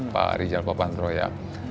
pak rijal popantro ya